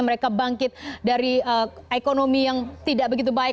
mereka bangkit dari ekonomi yang tidak begitu baik